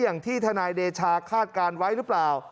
อย่างที่ทนายเดชาคาดการณ์ไว้หรือเปล่า